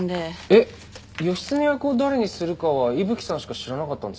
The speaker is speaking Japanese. えっ義経役を誰にするかは伊吹さんしか知らなかったんですよね？